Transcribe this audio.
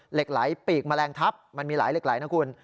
เหล็กไหลปีกแมลงทับมันมีหลายเหล็กไหลนะคุณ